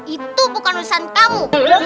itu bukan urusan kamu